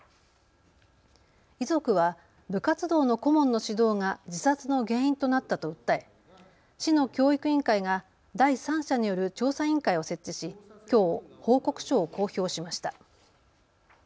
遺族は部活動の顧問の指導が自殺の原因となったと訴え市の教育委員会が第三者による調査委員会を設置しきょう報告書を公表しました。